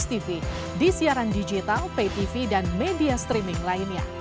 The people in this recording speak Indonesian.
di tv di siaran digital pay tv dan media streaming lainnya